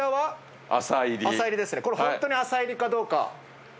これホントに浅煎りかどうか。